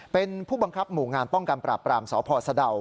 เป็นผู้บังคับหมู่งานป้องกันปราบปรามสพสะดาว